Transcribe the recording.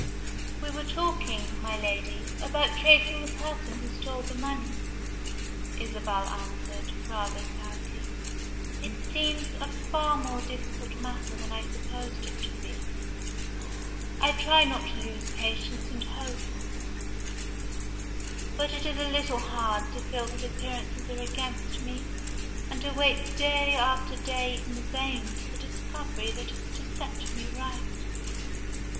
"We were talking, my Lady, about tracing the person who stole the money," Isabel answered, rather sadly. "It seems a far more difficult matter than I supposed it to be. I try not to lose patience and hope but it is a little hard to feel that appearances are against me, and to wait day after day in vain for the discovery that is to set me right."